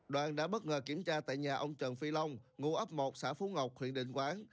đoàn đã bất ngờ kiểm tra tại nhà ông trần phi long ngụ ấp một xã phú ngọc huyện định quán